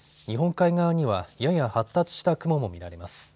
日本海側には、やや発達した雲も見られます。